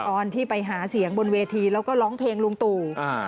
ตอนที่ไปหาเสียงบนเวทีแล้วก็ร้องเพลงลุงตู่อ่า